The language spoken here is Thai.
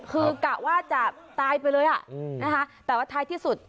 คือกะว่าจะตายไปเลยแต่ว่าท้ายที่สุด